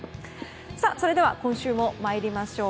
それでは今週も参りましょう。